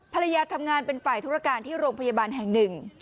ภรรยาทำงานเป็นฝ่ายธุรการที่โรงพยาบาลแห่งหนึ่ง